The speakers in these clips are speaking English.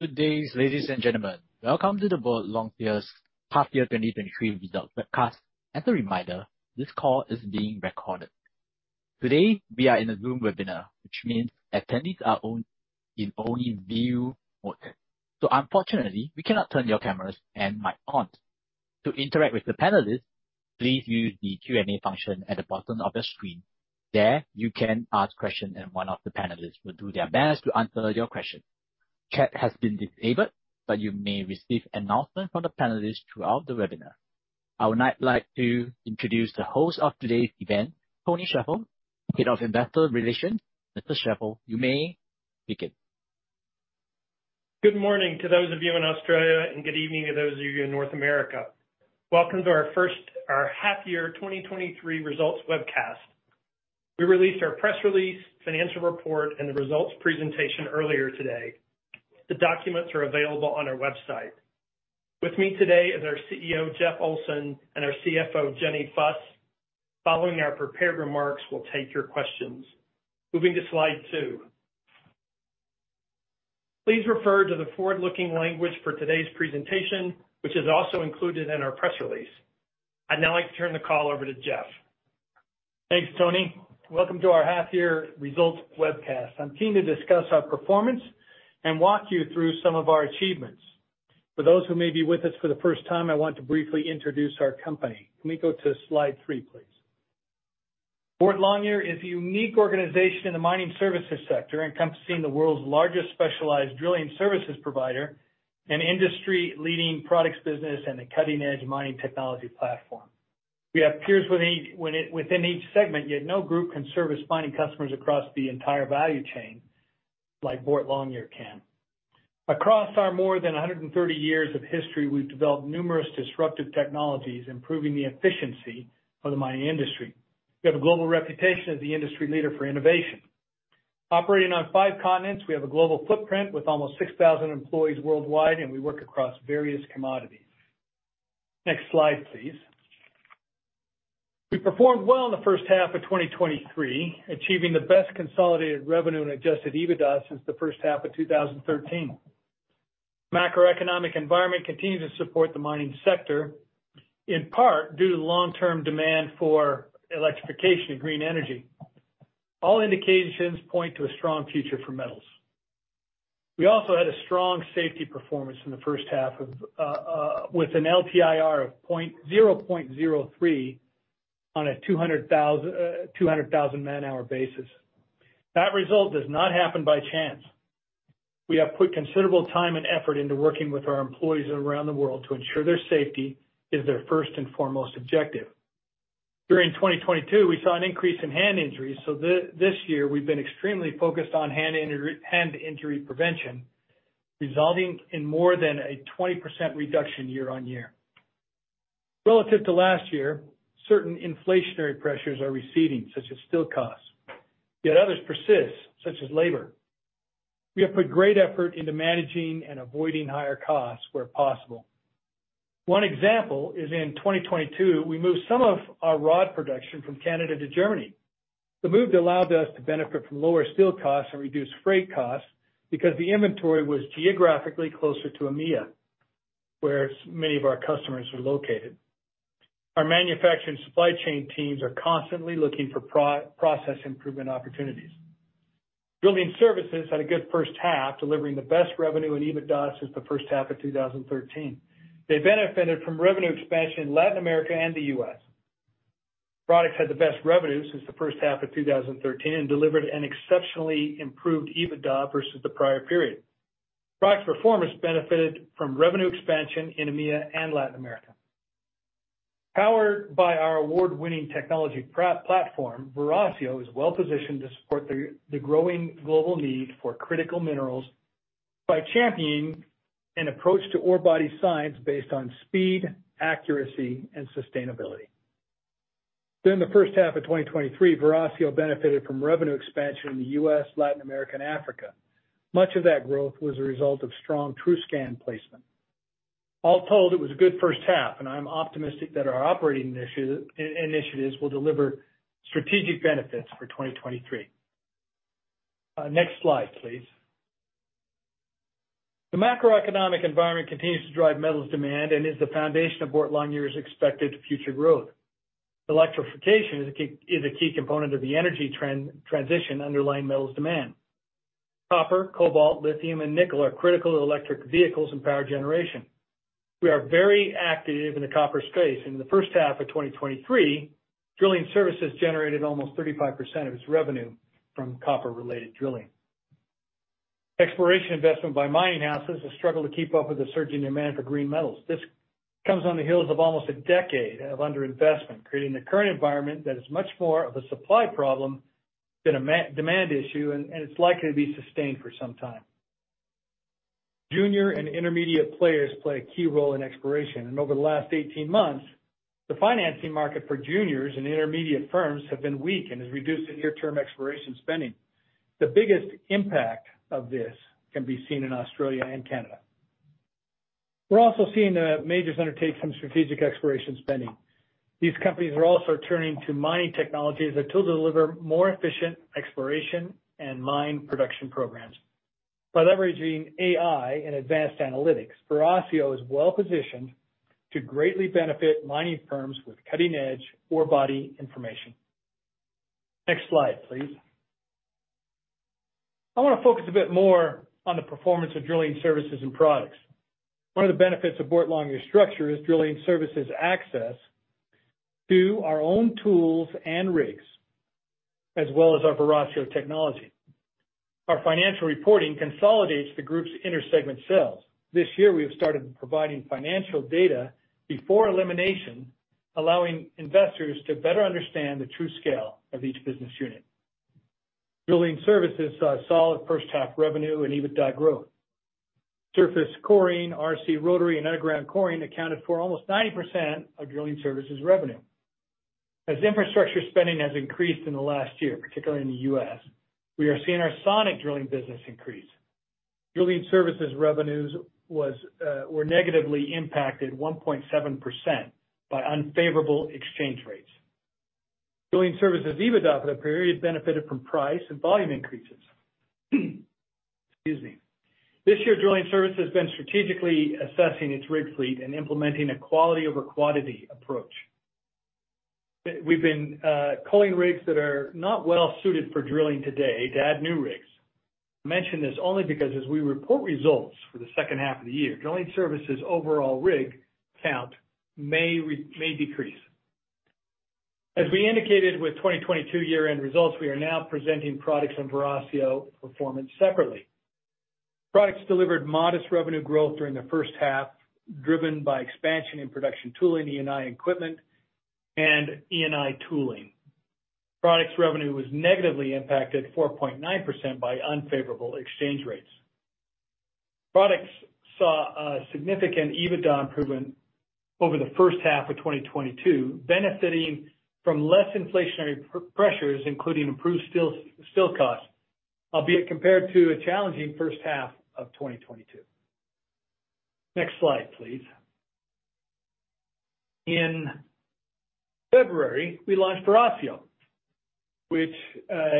Good day, ladies and gentlemen. Welcome to Boart Longyear's half-year 2023 results webcast. As a reminder, this call is being recorded. Today, we are in a Zoom webinar, which means attendees are only in view mode. So unfortunately, we cannot turn your cameras and mic on. To interact with the panelists, please use the Q&A function at the bottom of the screen. There, you can ask questions, and one of the panelists will do their best to answer your question. Chat has been disabled, but you may receive announcements from the panelists throughout the webinar. I would now like to introduce the host of today's event, Tony Shaffer, Head of Investor Relations. Mr. Shaffer, you may begin. Good morning to those of you in Australia, and good evening to those of you in North America. Welcome to our first half year 2023 results webcast. We released our press release, financial report, and the results presentation earlier today. The documents are available on our website. With me today is our CEO, Jeff Olsen, and our CFO, Jenny Fuss. Following our prepared remarks, we'll take your questions. Moving to slide 2. Please refer to the forward-looking language for today's presentation, which is also included in our press release. I'd now like to turn the call over to Jeff. Thanks, Tony. Welcome to our half year results webcast. I'm keen to discuss our performance and walk you through some of our achievements. For those who may be with us for the first time, I want to briefly introduce our company. Can we go to slide 3, please? Boart Longyear is a unique organization in the mining services sector, encompassing the world's largest specialized drilling services provider and industry-leading products business, and a cutting-edge mining technology platform. We have peers within each segment, yet no group can service mining customers across the entire value chain like Boart Longyear can. Across our more than 130 years of history, we've developed numerous disruptive technologies, improving the efficiency of the mining industry. We have a global reputation as the industry leader for innovation. Operating on five continents, we have a global footprint with almost 6,000 employees worldwide, and we work across various commodities. Next slide, please. We performed well in the first half of 2023, achieving the best consolidated revenue and Adjusted EBITDA since the first half of 2013. Macroeconomic environment continued to support the mining sector, in part due to the long-term demand for electrification and green energy. All indications point to a strong future for metals. We also had a strong safety performance in the first half of with an LPIR of 0.03 on a 200,000 man-hour basis. That result does not happen by chance. We have put considerable time and effort into working with our employees around the world to ensure their safety is their first and foremost objective. During 2022, we saw an increase in hand injuries, so this year we've been extremely focused on hand injury, hand injury prevention, resulting in more than a 20% reduction year-on-year. Relative to last year, certain inflationary pressures are receding, such as steel costs, yet others persist, such as labor. We have put great effort into managing and avoiding higher costs where possible. One example is in 2022, we moved some of our rod production from Canada to Germany. The move allowed us to benefit from lower steel costs and reduce freight costs, because the inventory was geographically closer to EMEA, where many of our customers are located. Our manufacturing supply chain teams are constantly looking for process improvement opportunities. Drilling Services had a good first half, delivering the best revenue and EBITDA since the first half of 2013. They benefited from revenue expansion in Latin America and the U.S. Products had the best revenue since the first half of 2013 and delivered an exceptionally improved EBITDA versus the prior period. Product performance benefited from revenue expansion in EMEA and Latin America. Powered by our award-winning technology platform, Veracio is well positioned to support the growing global need for critical minerals by championing an approach to ore body science based on speed, accuracy, and sustainability. During the first half of 2023, Veracio benefited from revenue expansion in the U.S., Latin America, and Africa. Much of that growth was a result of strong TruScan placement. All told, it was a good first half, and I'm optimistic that our operating initiatives will deliver strategic benefits for 2023. Next slide, please. The macroeconomic environment continues to drive metals demand and is the foundation of Boart Longyear's expected future growth. Electrification is a key component of the energy transition underlying metals demand. Copper, cobalt, lithium, and nickel are critical to electric vehicles and power generation. We are very active in the copper space. In the first half of 2023, drilling services generated almost 35% of its revenue from copper-related drilling. Exploration investment by mining houses has struggled to keep up with the surging demand for green metals. This comes on the heels of almost a decade of underinvestment, creating the current environment that is much more of a supply problem than a demand issue, and it's likely to be sustained for some time. Junior and intermediate players play a key role in exploration, and over the last 18 months, the financing market for juniors and intermediate firms have been weak and has reduced the near-term exploration spending. The biggest impact of this can be seen in Australia and Canada. We're also seeing the majors undertake some strategic exploration spending. These companies are also turning to mining technologies that'll deliver more efficient exploration and mine production programs. By leveraging AI and advanced analytics, Veracio is well positioned to greatly benefit mining firms with cutting-edge ore body information. Next slide, please. I wanna focus a bit more on the performance of Drilling Services and Products. One of the benefits of Boart Longyear structure is drilling services access to our own tools and rigs, as well as our Veracio technology. Our financial reporting consolidates the group's inter-segment sales. This year, we have started providing financial data before elimination, allowing investors to better understand the true scale of each business unit. Drilling Services saw a solid first half revenue and EBITDA growth. Surface coring, RC rotary, and underground coring accounted for almost 90% of drilling services revenue. As infrastructure spending has increased in the last year, particularly in the U.S., we are seeing our sonic drilling business increase. Drilling services revenues was, were negatively impacted 1.7% by unfavorable exchange rates. Drilling services EBITDA for the period benefited from price and volume increases. Excuse me. This year, drilling service has been strategically assessing its rig fleet and implementing a quality over quantity approach. We've been culling rigs that are not well suited for drilling today to add new rigs. I mention this only because as we report results for the second half of the year, drilling services' overall rig count may decrease. As we indicated with 2022 year-end results, we are now presenting Products and Veracio performance separately. Products delivered modest revenue growth during the first half, driven by expansion in production tooling, E&I equipment, and E&I tooling. Products revenue was negatively impacted 4.9% by unfavorable exchange rates. Products saw a significant EBITDA improvement over the first half of 2022, benefiting from less inflationary pressures, including improved steel costs, albeit compared to a challenging first half of 2022. Next slide, please. In February, we launched Veracio, which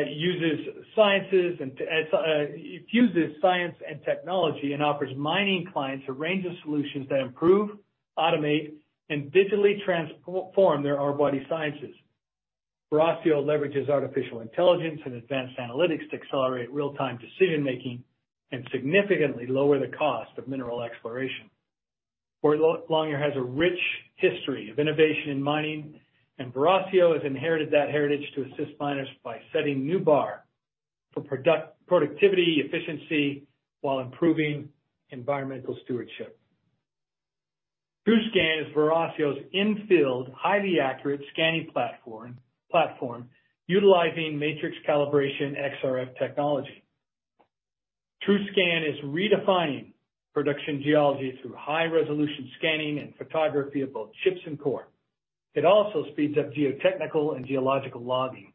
uses sciences and it fuses science and technology and offers mining clients a range of solutions that improve, automate, and digitally transform their orebody sciences. Veracio leverages artificial intelligence and advanced analytics to accelerate real-time decision-making and significantly lower the cost of mineral exploration. Boart Longyear has a rich history of innovation in mining, and Veracio has inherited that heritage to assist miners by setting new bar for productivity, efficiency, while improving environmental stewardship. TruScan is Veracio's in-field, highly accurate scanning platform, utilizing matrix calibration XRF technology. TruScan is redefining production geology through high-resolution scanning and photography of both chips and core. It also speeds up geotechnical and geological logging.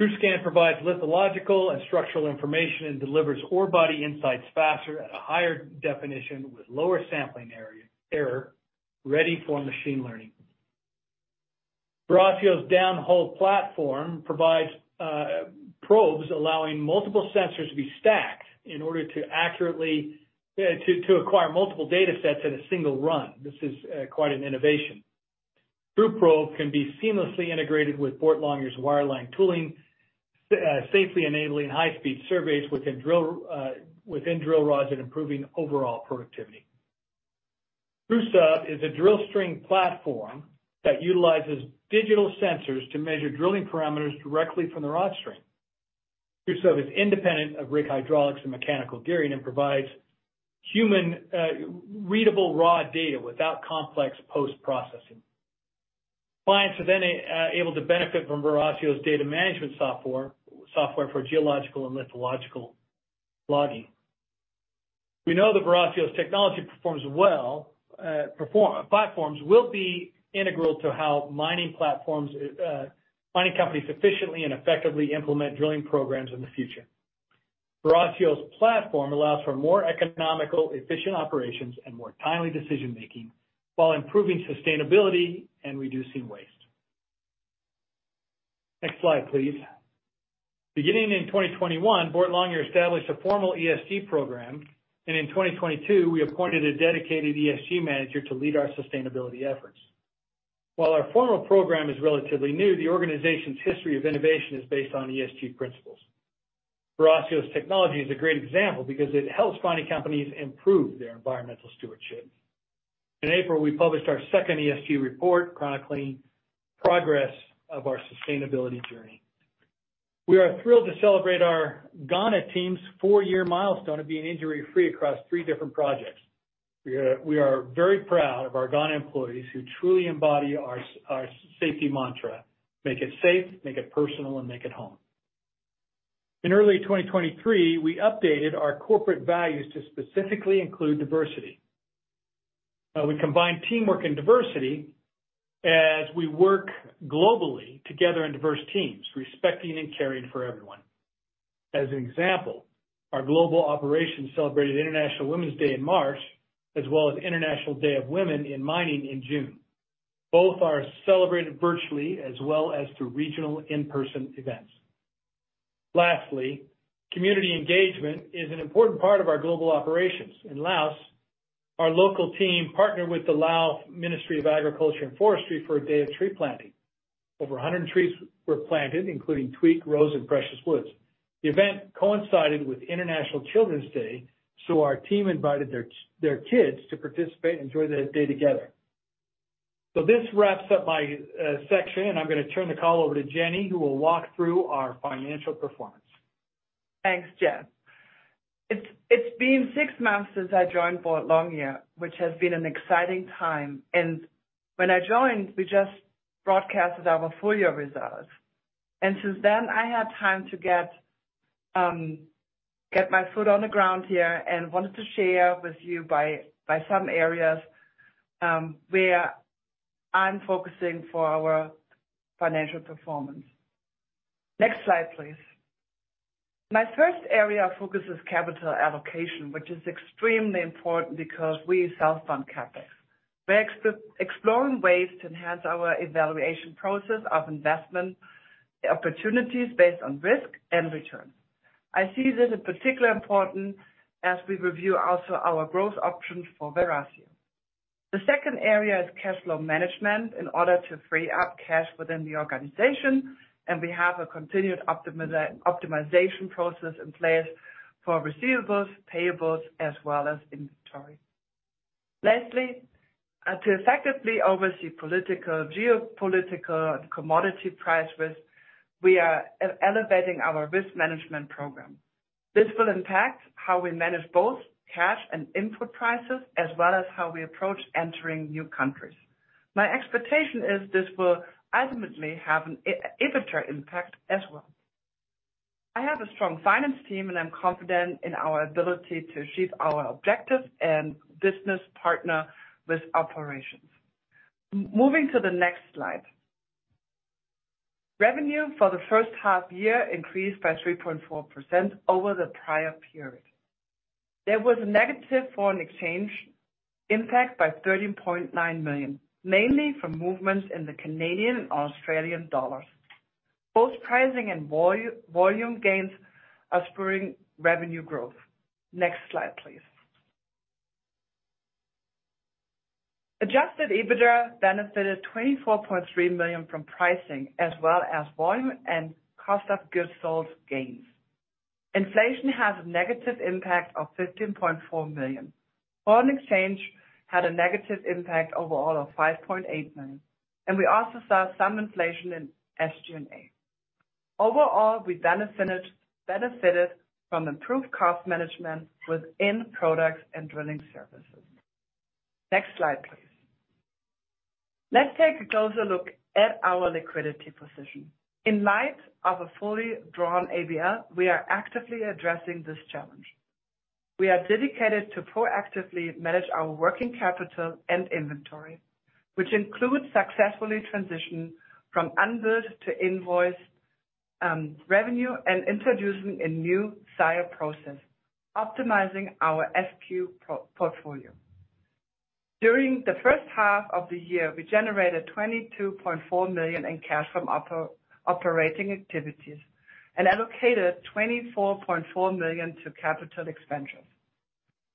TruScan provides lithological and structural information and delivers ore body insights faster at a higher definition with lower sampling area error, ready for machine learning. Veracio's downhole platform provides probes, allowing multiple sensors to be stacked in order to accurately to acquire multiple datasets in a single run. This is quite an innovation. TruProbe can be seamlessly integrated with Boart Longyear's wireline tooling, safely enabling high-speed surveys within drill, within drill rods and improving overall productivity. TruSub is a drill string platform that utilizes digital sensors to measure drilling parameters directly from the rod string. TruSub is independent of rig hydraulics and mechanical gearing and provides human-readable raw data without complex post-processing. Clients are then able to benefit from Veracio's data management software, software for geological and lithological logging. We know that Veracio's technology performs well, platforms will be integral to how mining platforms, mining companies efficiently and effectively implement drilling programs in the future. Veracio's platform allows for more economical, efficient operations and more timely decision-making, while improving sustainability and reducing waste. Next slide, please. Beginning in 2021, Boart Longyear established a formal ESG program, and in 2022, we appointed a dedicated ESG manager to lead our sustainability efforts. While our formal program is relatively new, the organization's history of innovation is based on ESG principles. Veracio's technology is a great example because it helps mining companies improve their environmental stewardship. In April, we published our second ESG report, chronicling progress of our sustainability journey. We are thrilled to celebrate our Ghana team's four-year milestone of being injury-free across three different projects. We are very proud of our Ghana employees, who truly embody our safety mantra: Make it safe, make it personal, and make it home. In early 2023, we updated our corporate values to specifically include diversity. We combine teamwork and diversity as we work globally together in diverse teams, respecting and caring for everyone. As an example, our global operations celebrated International Women's Day in March, as well as International Day of Women in Mining in June. Both are celebrated virtually as well as through regional in-person events. Lastly, community engagement is an important part of our global operations. In Laos, our local team partnered with the Laos Ministry of Agriculture and Forestry for a day of tree planting. Over 100 trees were planted, including teak, rose, and precious woods. The event coincided with International Children's Day, so our team invited their kids to participate and enjoy the day together. So this wraps up my section, and I'm gonna turn the call over to Jenny, who will walk through our financial performance. Thanks, Jeff. It's been six months since I joined Boart Longyear, which has been an exciting time, and when I joined, we just broadcasted our full year results. Since then, I had time to get my foot on the ground here and wanted to share with you by some areas where I'm focusing for our financial performance. Next slide, please. My first area of focus is capital allocation, which is extremely important because we self-fund CapEx. We're exploring ways to enhance our evaluation process of investment opportunities based on risk and return. I see this as particularly important as we review also our growth options for Veracio. The second area is cash flow management in order to free up cash within the organization, and we have a continued optimization process in place for receivables, payables, as well as inventory. Lastly, to effectively oversee political, geopolitical, and commodity price risk, we are elevating our risk management program. This will impact how we manage both cash and input prices, as well as how we approach entering new countries. My expectation is this will ultimately have an EBITDA impact as well. I have a strong finance team, and I'm confident in our ability to achieve our objectives and business partner with operations. Moving to the next slide. Revenue for the first half year increased by 3.4% over the prior period. There was a negative foreign exchange impact by $13.9 million, mainly from movements in the Canadian and Australian dollars. Both pricing and volume gains are spurring revenue growth. Next slide, please. Adjusted EBITDA benefited $24.3 million from pricing as well as volume and cost of goods sold gains. Inflation has a negative impact of $15.4 million. Foreign exchange had a negative impact overall of $5.8 million, and we also saw some inflation in SG&A. Overall, we benefited from improved cost management within products and drilling services. Next slide, please. Let's take a closer look at our liquidity position. In light of a fully drawn ABL, we are actively addressing this challenge. We are dedicated to proactively manage our working capital and inventory, which includes successfully transitioning from unbilled to invoiced revenue, and introducing a new SIOP process, optimizing our SQ portfolio. During the first half of the year, we generated $22.4 million in cash from operating activities and allocated $24.4 million to capital expenditures.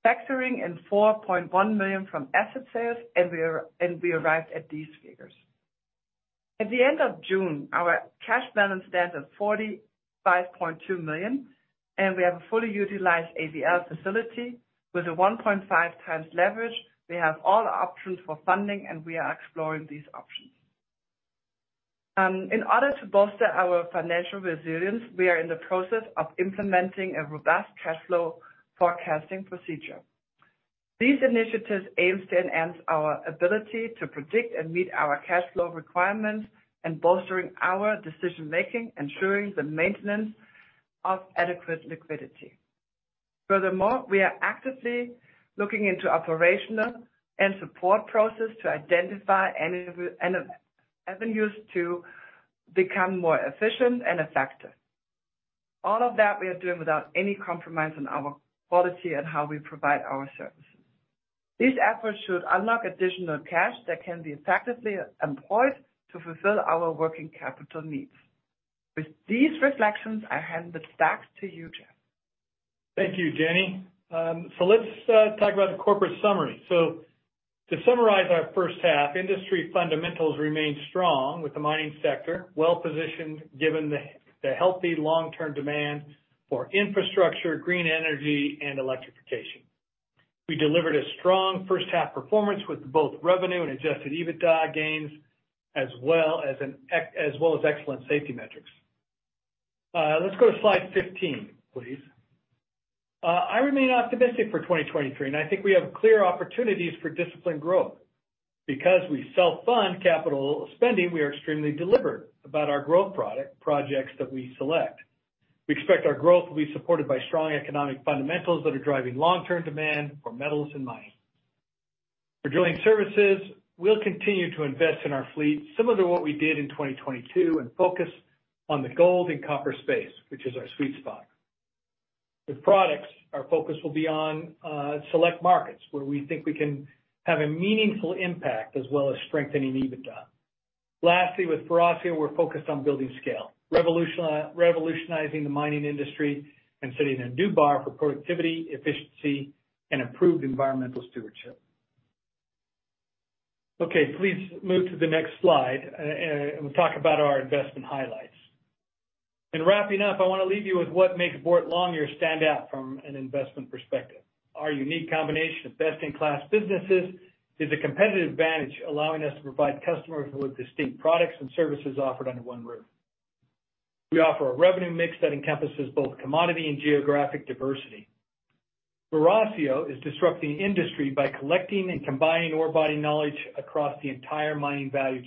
Factoring in $4.1 million from asset sales, and we arrived at these figures. At the end of June, our cash balance stands at $45.2 million, and we have a fully utilized ABL facility with a 1.5 times leverage. We have all the options for funding, and we are exploring these options. In order to bolster our financial resilience, we are in the process of implementing a robust cash flow forecasting procedure. These initiatives aims to enhance our ability to predict and meet our cash flow requirements and bolstering our decision-making, ensuring the maintenance of adequate liquidity. Furthermore, we are actively looking into operational and support process to identify any avenues to become more efficient and effective. All of that we are doing without any compromise on our quality and how we provide our services. These efforts should unlock additional cash that can be effectively employed to fulfill our working capital needs. With these reflections, I hand it back to you, Jeff. Thank you, Jenny. So let's talk about the corporate summary. To summarize our first half, industry fundamentals remained strong, with the mining sector well-positioned, given the healthy long-term demand for infrastructure, green energy, and electrification. We delivered a strong first half performance with both revenue and Adjusted EBITDA gains, as well as excellent safety metrics. Let's go to slide 15, please. I remain optimistic for 2023, and I think we have clear opportunities for disciplined growth. Because we self-fund capital spending, we are extremely deliberate about our growth product, projects that we select. We expect our growth will be supported by strong economic fundamentals that are driving long-term demand for metals and mining. For drilling services, we'll continue to invest in our fleet, similar to what we did in 2022, and focus on the gold and copper space, which is our sweet spot. With products, our focus will be on select markets, where we think we can have a meaningful impact, as well as strengthening EBITDA. Lastly, with Veracio, we're focused on building scale, revolutionizing the mining industry and setting a new bar for productivity, efficiency, and improved environmental stewardship. Okay, please move to the next slide, and we'll talk about our investment highlights. In wrapping up, I wanna leave you with what makes Boart Longyear stand out from an investment perspective. Our unique combination of best-in-class businesses is a competitive advantage, allowing us to provide customers with distinct products and services offered under one roof. We offer a revenue mix that encompasses both commodity and geographic diversity. Veracio is disrupting the industry by collecting and combining orebody knowledge across the entire mining value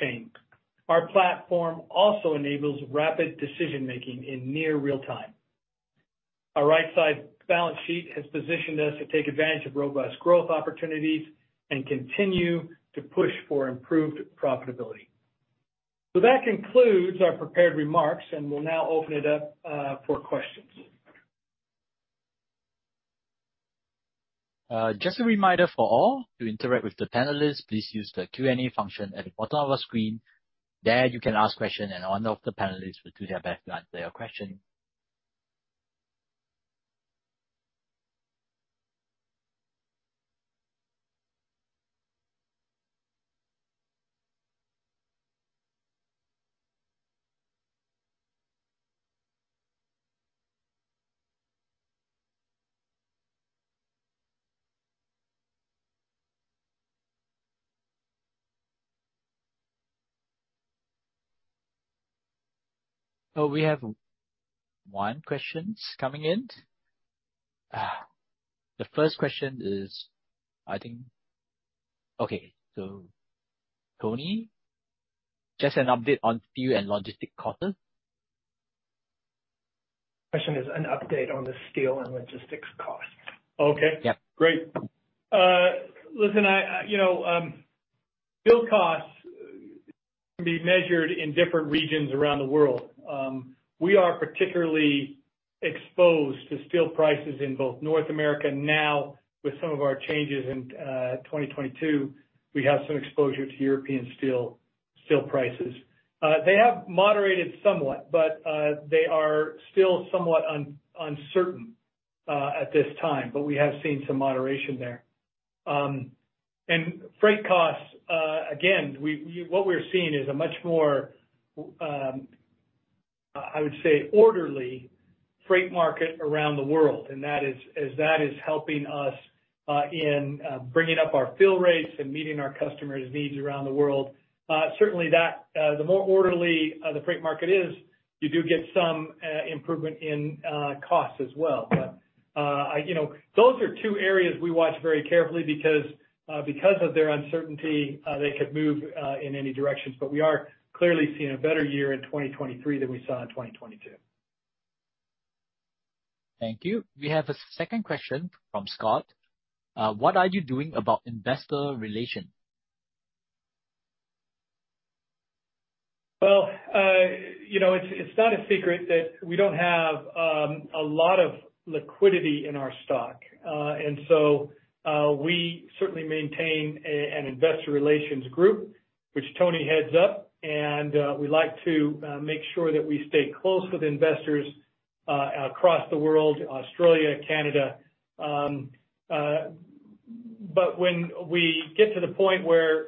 chain. Our platform also enables rapid decision-making in near real time. Our right side balance sheet has positioned us to take advantage of robust growth opportunities and continue to push for improved profitability. So that concludes our prepared remarks, and we'll now open it up for questions. Just a reminder for all, to interact with the panelists, please use the Q&A function at the bottom of your screen. There, you can ask questions, and one of the panelists will do their best to answer your question. Oh, we have one questions coming in. The first question is, Okay, so Tony, just an update on steel and logistic costs? Question is an update on the steel and logistics costs? Okay. Yeah. Great. Listen, I, you know, steel costs can be measured in different regions around the world. We are particularly exposed to steel prices in both North America. Now, with some of our changes in 2022, we have some exposure to European steel prices. They have moderated somewhat, but they are still somewhat uncertain at this time, but we have seen some moderation there. And freight costs, again, what we're seeing is a much more, I would say, orderly freight market around the world, and that is helping us in bringing up our fill rates and meeting our customers' needs around the world. Certainly that, the more orderly the freight market is, you do get some improvement in costs as well. But, you know, those are two areas we watch very carefully, because, because of their uncertainty, they could move in any direction. But we are clearly seeing a better year in 2023 than we saw in 2022. Thank you. We have a second question from Scott. What are you doing about investor relations? Well, you know, it's not a secret that we don't have a lot of liquidity in our stock. And so, we certainly maintain an investor relations group, which Tony heads up, and we like to make sure that we stay close with investors across the world, Australia, Canada. But when we get to the point where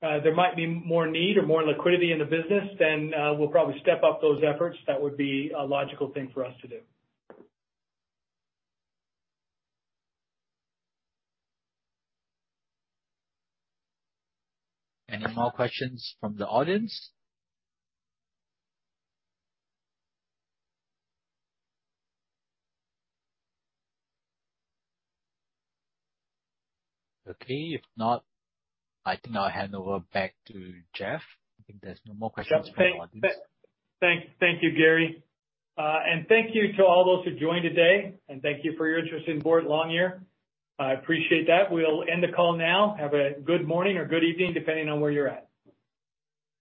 there might be more need or more liquidity in the business, then we'll probably step up those efforts. That would be a logical thing for us to do. Any more questions from the audience? Okay. If not, I think I'll hand over back to Jeff, if there's no more questions from the audience. Thanks. Thank you, Gary, and thank you to all those who joined today, and thank you for your interest in Boart Longyear. I appreciate that. We'll end the call now. Have a good morning or good evening, depending on where you're at.